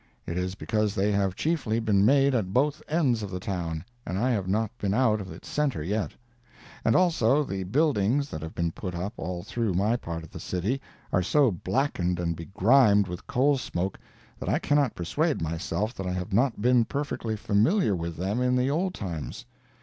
It is because they have chiefly been made at both ends of the town, and I have not been out of its centre yet. And, also, the buildings that have been put up all through my part of the city are so blackened and begrimed with coal smoke that I cannot persuade myself that I have not been perfectly familiar with them in the old times.